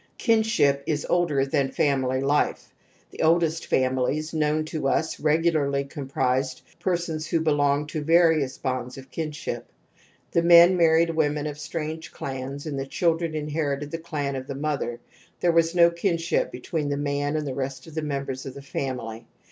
Kinship is older than family life ; the oldest families known to us regularly comprised persons who belonged to various bonds of kin ship. The men married women of strange clans and the children inherited the clan of the mother ; there was no kinship between the man and the rest of the members of the family.